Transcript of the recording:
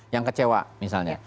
yang kecewa misalnya